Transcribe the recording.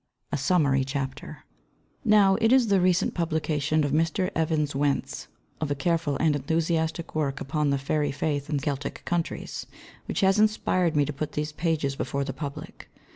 A SUMMARY CHAPTER Now, it is the recent publication by Mr. Evans Wentz of a careful and enthusiastic work upon The Fairy Faith in Celtic Countries which has inspired me to put these pages before the public.